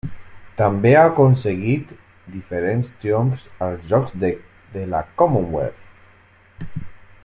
També ha aconseguit diferents triomfs als Jocs de la Commonwealth.